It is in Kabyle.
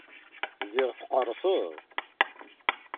Ziɣ teqqerseḍ!